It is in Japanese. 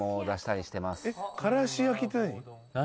からし焼きって何？